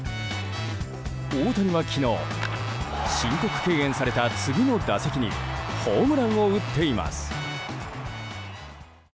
大谷は昨日申告敬遠された次の打席にホームランを打っています。